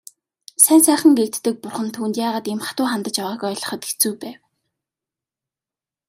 Сайн сайхан гэгддэг бурхан түүнд яагаад ийм хатуу хандаж байгааг ойлгоход хэцүү байв.